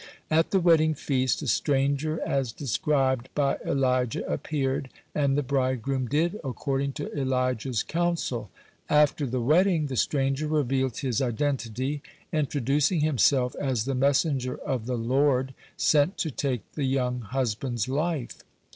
At the wedding feast, a stranger as described by Elijah appeared, and the bridegroom did according to Elijah's counsel. After the wedding the stranger revealed his identity, introducing himself as the messenger of the Lord sent to take the young husband's life.